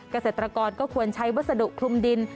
เกษตรกรก็ควรใช้วัสดุคลุมดิน